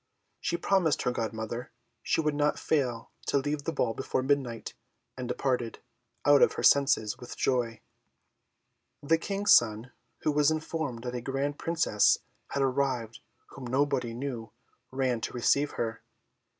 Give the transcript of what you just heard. She promised her godmother she would not fail to leave the ball before midnight, and departed, out of her senses with joy. The King's son, who was informed that a grand Princess had arrived whom nobody knew, ran to receive her.